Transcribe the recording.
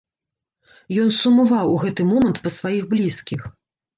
Ён сумаваў у гэты момант па сваіх блізкіх.